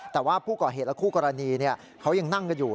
แต่ว่าผู้ก่อเหตุและคู่กรณีเขายังนั่งกันอยู่